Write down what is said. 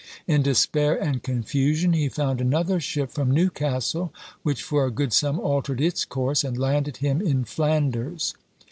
In despair and confusion, he found another ship from Newcastle, which for a good sum altered its course, and landed him in Flanders.